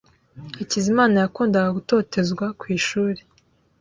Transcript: Hakizimana yakundaga gutotezwa ku ishuri.